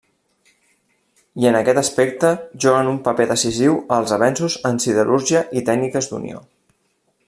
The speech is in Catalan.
I en aquest aspecte juguen un paper decisiu els avenços en siderúrgia i tècniques d'unió.